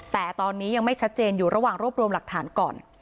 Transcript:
แต่ตอนนี้ยังไม่ชัดเจนอยู่ระหว่างรวบรวมหลักฐานก่อน